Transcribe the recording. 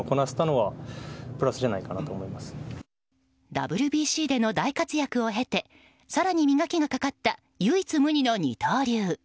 ＷＢＣでの大活躍を経て更に磨きがかかった唯一無二の二刀流。